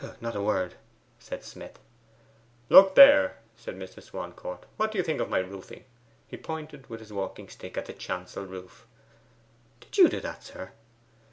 'Not a word,' said Smith. 'Look there,' said Mr. Swancourt. 'What do you think of my roofing?' He pointed with his walking stick at the chancel roof, 'Did you do that, sir?